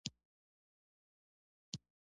آیا د ولسي تړون پروګرام کار کوي؟